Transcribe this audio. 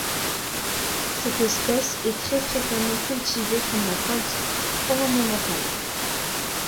Cette espèce est très fréquemment cultivée comme plante ornementale.